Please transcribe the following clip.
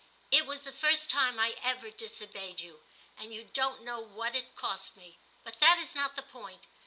It was the first time I ever disobeyed you, and you don't know what it cost me; but that is not the point.